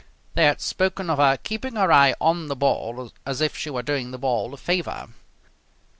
They had spoken of her keeping her eye on the ball as if she were doing the ball a favour.